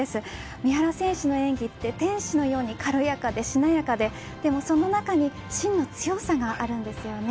三原選手の演技って天使のように軽やかでしなやかでその中に芯の強さがあるんですよね。